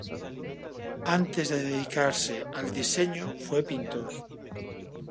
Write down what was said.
Antes de dedicarse al diseño, fue pintor.